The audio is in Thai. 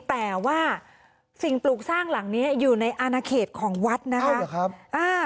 แต่ว่าสิ่งปลูกสร้างหลังนี้อยู่ในอาณาเขตของวัดนะคะอ้าวเหรอครับอ่า